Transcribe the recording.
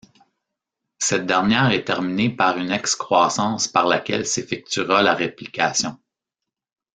Cette dernière est terminée par une excroissance par laquelle s'effectuera la réplication.